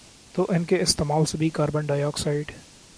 تو ان کے استعمال سے بھی کاربن ڈائی آکسائیڈ